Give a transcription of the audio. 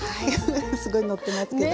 すごいのってますけど。